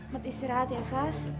mat istirahat ya sas